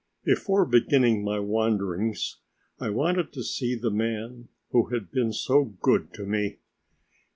Before beginning my wanderings I wanted to see the man who had been so good to me.